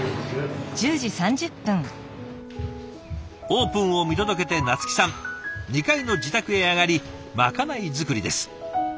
オープンを見届けて菜月さん２階の自宅へ上がりまかない作りです。